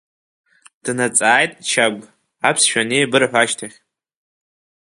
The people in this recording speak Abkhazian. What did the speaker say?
Днаҵааит Чагә, аԥсшәа анеибырҳәа ашьҭахьы.